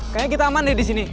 kayaknya kita aman deh disini